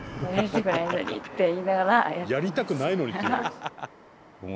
「やりたくないのに」って言うの？